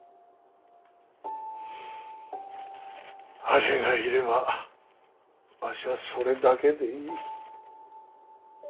あれがいればわしはそれだけでいい。